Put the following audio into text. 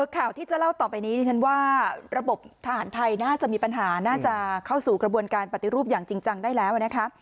ข่าวที่จะเล่าต่อไปนี้ดิฉันว่าระบบทหารไทยน่าจะมีปัญหาน่าจะเข้าสู่กระบวนการปฏิรูปอย่างจริงจังได้แล้วนะคะ